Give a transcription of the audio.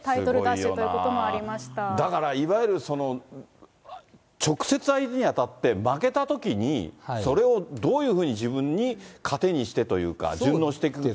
すごいよなぁ、だからいわゆる、直接あいにあたって負けたときに、それをどういうふうに自分に糧にしてというか、順応していくかという。